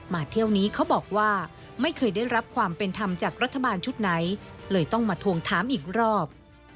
เที่ยวนี้เขาบอกว่าไม่เคยได้รับความเป็นธรรมจากรัฐบาลชุดไหนเลยต้องมาทวงถามอีกรอบ